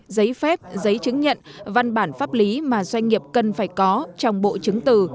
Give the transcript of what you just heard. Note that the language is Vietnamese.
giấy phép giấy chứng nhận văn bản pháp lý mà doanh nghiệp cần phải có trong bộ chứng từ